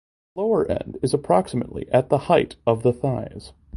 The lower end is approximately at the height of the thighs.